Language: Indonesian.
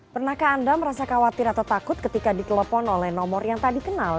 pernahkah anda merasa khawatir atau takut ketika ditelepon oleh nomor yang tak dikenal